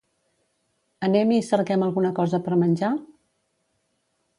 Anem i cerquem alguna cosa per menjar?